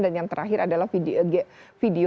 dan yang terakhir adalah video g kids itu